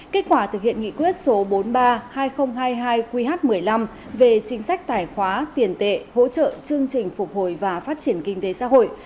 kết quả thực hiện nghị quyết số bốn mươi ba hai nghìn hai mươi hai qh một mươi năm về chính sách tài khoá tiền tệ hỗ trợ chương trình phục hồi và phát triển kinh tế xã hội